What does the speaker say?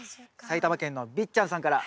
埼玉県のびっちゃんさんから。